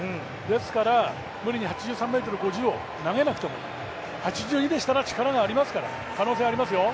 ですから無理に８３ｍ５０を投げなくても８２でしたら、可能性ありますよ。